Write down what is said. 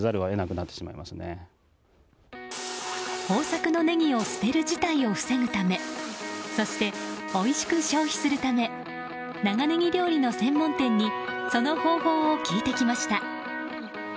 豊作のネギを捨てる事態を防ぐためそして、おいしく消費するため長ネギ料理の専門店にその方法を聞いてきました。